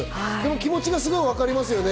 気持ちがすごくわかりますよね。